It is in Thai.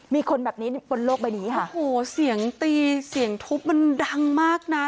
มีคนแบบนี้บนโลกใบนี้ค่ะโอ้โหเสียงตีเสียงทุบมันดังมากน่ะ